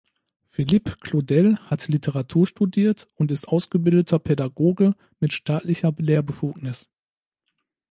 Philippe Claudel hat Literatur studiert und ist ausgebildeter Pädagoge mit staatlicher Lehrbefugnis.